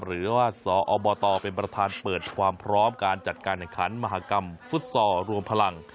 หรือว่าสอบตเป็นประธานเปิดความพร้อมการจัดการแข่งขันมหากรรมฟุตซอลรวมพลัง